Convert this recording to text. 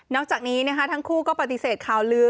จากนี้ทั้งคู่ก็ปฏิเสธข่าวลือ